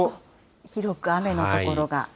広く雨の所が。